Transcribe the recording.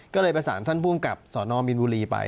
ก็เลยประสานท่านภูมิกับสนมินบุรีไป